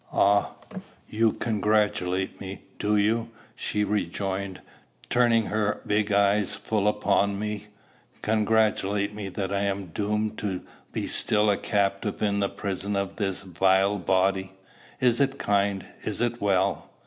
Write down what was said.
"Ah! you congratulate me, do you?" she rejoined, turning her big eyes full upon me; "congratulate me that I am doomed to be still a captive in the prison of this vile body? Is it kind? Is it well?"